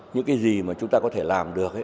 những cái gì mà chúng ta có thể làm được